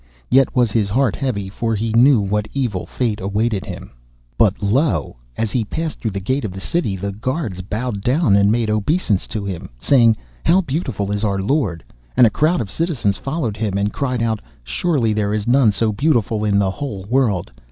Yet was his heart heavy, for he knew what evil fate awaited him. But lo! as he passed through the gate of the city, the guards bowed down and made obeisance to him, saying, 'How beautiful is our lord!' and a crowd of citizens followed him, and cried out, 'Surely there is none so beautiful in the whole world!